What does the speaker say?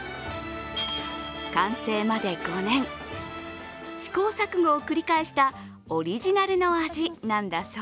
完成まで５年、試行錯誤を繰り返した、オリジナルの味なんだそう。